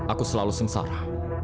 aku selalu sengsara